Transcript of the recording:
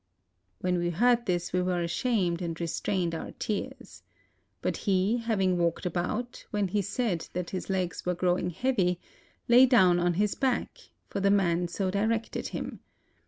When we heard this, we were ashamed, and restrained our tears. But he, having walked about, when he said that his legs were growing heavy, lay down on his back; for the man so directed him.